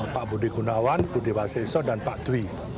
pak budi gunawan budi waseso dan pak dwi